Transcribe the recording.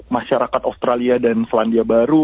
masyarakat australia dan selandia baru